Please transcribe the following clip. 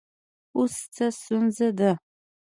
اوس څه ستونزه ده